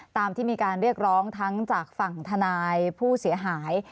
ตามที่มีการเรียกร้องทั้งจากฝั่งทนายผู้เสียหาย